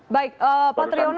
baik pak triwono